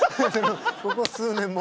ここ数年も。